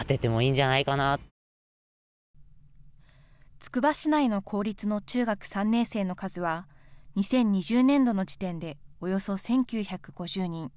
つくば市内の公立の中学３年生の数は２０２０年度の時点でおよそ１９５０人。